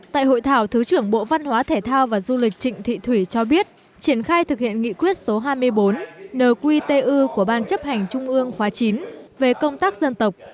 tại hội thảo thứ trưởng bộ văn hóa thể thao và du lịch trịnh thị thủy cho biết triển khai thực hiện nghị quyết số hai mươi bốn nqtu của ban chấp hành trung ương khóa chín về công tác dân tộc